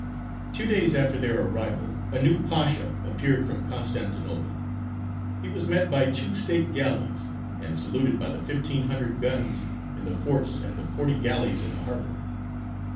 Two days after their arrival, a new Pasha appeared from Constantinople: he was met by two state galleys, and saluted by the fifteen hundred guns in the forts and the forty galleys in the harbour.